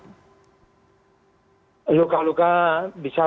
luka luka bisa luka memasak